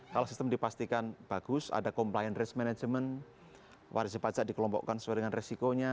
kalau sistem dipastikan bagus ada complian risk management wajib pajak dikelompokkan sesuai dengan resikonya